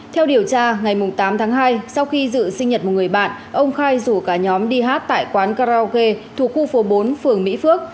theo điều tra ngày tám tháng hai sau khi dự sinh nhật một người bạn ông khai rủ cả nhóm đi hát tại quán karaoke thuộc khu phố bốn phường mỹ phước